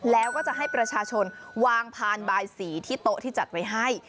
แล้วก็จะให้ประชาชนวางพานบายสีที่โต๊ะที่จัดไว้ให้